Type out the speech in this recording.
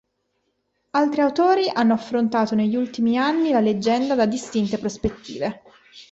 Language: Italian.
Altri autori hanno affrontato negli ultimi anni la leggenda da distinte prospettive.